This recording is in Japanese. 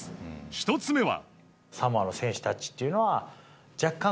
１つ目は。